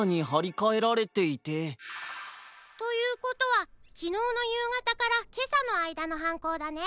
ということはきのうのゆうがたからけさのあいだのはんこうだね。